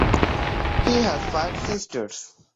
He has five sisters.